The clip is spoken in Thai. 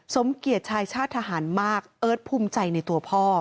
สมเกียจชายชาติทหารมากเอิร์ทภูมิใจในตัวพ่อ